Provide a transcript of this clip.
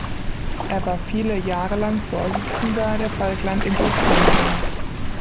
Er war viele Jahre lang Vorsitzender der Falkland-Insel-Vereinigung.